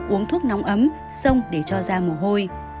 uống thuốc nóng ấm sông để cho ra mồ hôi